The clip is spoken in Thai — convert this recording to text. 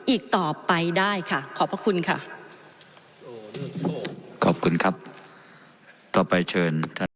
อีกต่อไปได้ค่ะขอบพระคุณค่ะขอบคุณครับต่อไปเชิญท่าน